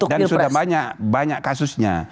dan sudah banyak kasusnya